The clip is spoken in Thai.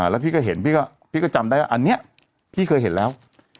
แล้วพี่ก็เห็นพี่ก็จำได้ว่าอันนี้พี่เคยเห็นแล้ว